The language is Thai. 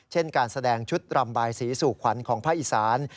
เช่นการแสดงชุดรำบายสีสู่ขวัญของภาคอีสาน